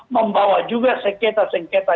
membawa juga sengketa sengketa